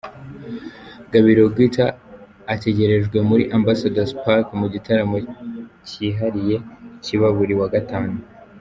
Gabiro Guitar ategerejwe muri Ambassador's Park mu gitaramo cyihariye kiba buri wa Gatanu.